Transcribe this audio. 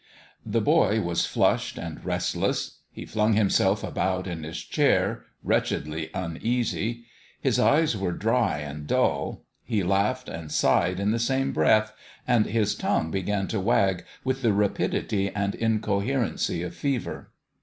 The boy was flushed and restless : he flung himself about in his chair, wretchedly un easy ; his eyes were dry and dull, he laughed and sighed in the same breath, and his tongue began to wag with the rapidity and incoherency of fever.